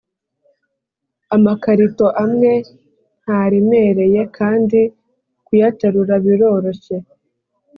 Amakarito amwe ntaremereye kandi kuyaterura biroroshye